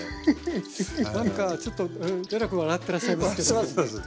なんかちょっとえらく笑ってらっしゃいますけども。